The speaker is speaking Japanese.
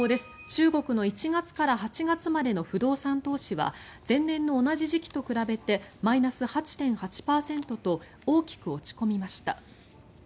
中国の１月から８月までの不動産投資は前年の同じ時期と比べてマイナス８．８％と大きく落ち込みました。